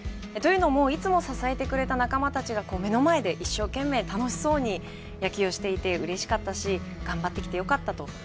いつも支えてくれた仲間たちが一生懸命楽しそうに野球をしてくれてうれしかったし頑張ってきてよかったと。